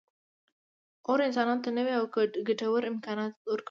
اور انسانانو ته نوي او ګټور امکانات ورکړل.